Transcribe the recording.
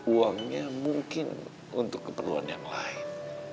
uangnya mungkin untuk keperluan yang lain